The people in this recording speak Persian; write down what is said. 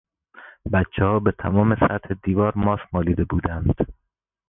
بچهها به تمام سطح دیوار ماست مالیده بودند.